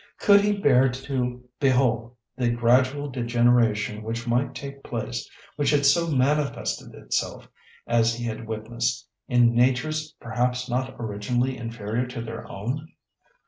"Could he bear to behold the gradual degeneration which might take place, which had so manifested itself, as he had witnessed, in natures perhaps not originally inferior to their own?"